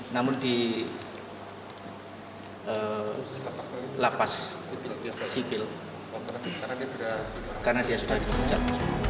namun dilapas sipil karena dia sudah dikejar